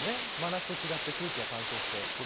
真夏と違って空気が乾燥して。